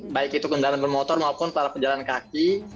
baik itu kendaraan bermotor maupun para pejalan kaki